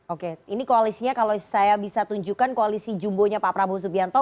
oke ini koalisinya kalau saya bisa tunjukkan koalisi jumbonya pak prabowo subianto